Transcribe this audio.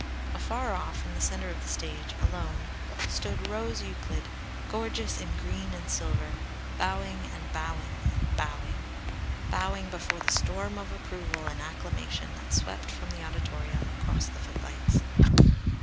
Afar off, in the centre of the stage, alone, stood Rose Euclid, gorgeous in green and silver, bowing and bowing and bowing bowing before the storm of approval and acclamation that swept from the auditorium across the footlights.